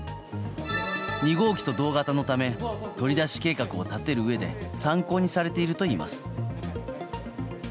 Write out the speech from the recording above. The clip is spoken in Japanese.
２号機と同型のため取り出し計画を立てる上で参考にされているといいます。